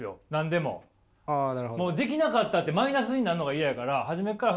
もうできなかったってマイナスになるのが嫌やからなるほど。